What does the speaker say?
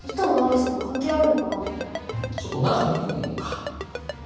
うんちょっと中見てみようか。